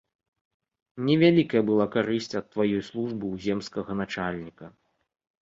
Невялікая была карысць ад тваёй службы ў земскага начальніка.